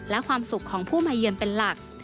และความสุขของผู้มาเยือนเป็นหลัก